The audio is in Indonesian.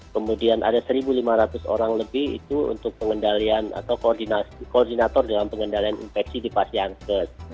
kemudian ada satu lima ratus orang lebih itu untuk pengendalian atau koordinator dalam pengendalian infeksi di pasienkes